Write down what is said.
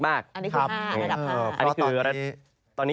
ทั้งเรื่องของฝน